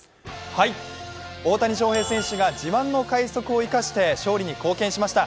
大谷翔平選手が自慢の快足を生かして勝利に貢献しました。